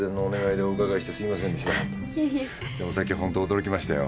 でもさっきほんと驚きましたよ。